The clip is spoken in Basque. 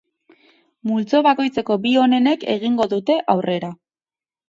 Multzo bakoitzeko bi onenek egingo dute aurrera.